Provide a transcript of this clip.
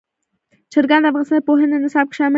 چرګان د افغانستان د پوهنې نصاب کې شامل دي.